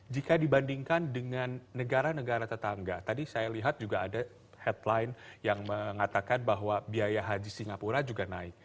jika dibandingkan dengan negara negara tetangga tadi saya lihat juga ada headline yang mengatakan bahwa biaya haji singapura juga naik